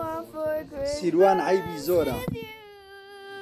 سیروان عەیبی زۆرە.